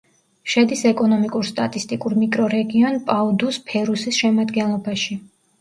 შედის ეკონომიკურ-სტატისტიკურ მიკრორეგიონ პაუ-დუს-ფერუსის შემადგენლობაში.